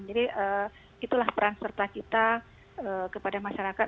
jadi itulah peran serta kita kepada masyarakat